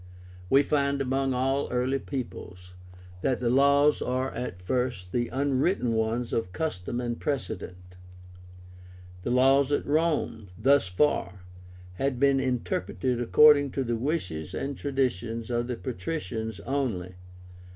We find among all early peoples that the laws are at first the unwritten ones of custom and precedent. The laws at Rome, thus far, had been interpreted according to the wishes and traditions of the patricians only.